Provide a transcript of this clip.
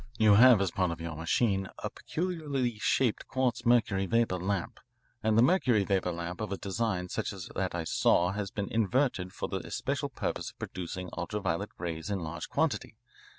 "You have, as a part of your machine, a peculiarly shaped quartz mercury vapour lamp, and the mercury vapour lamp of a design such as that I saw has been invented for the especial purpose of producing ultra violet rays in large quantity.